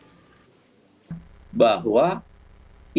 bang jokers pakar hukum tata negara ugn zainal arvin mohtar menilai